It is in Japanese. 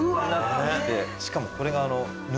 しかもこれが。